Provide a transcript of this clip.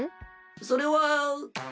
それは。